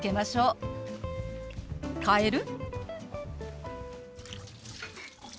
「変える？」。